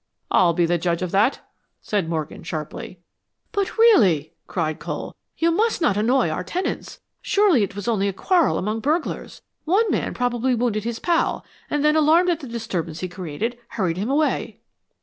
"I'll be the judge of that," said Morgan, sharply. "But really," cried Cole, "you must not annoy our tenants. Surely it was only a quarrel among burglars. One man probably wounded his pal and then, alarmed at the disturbance he had created, hurried him away."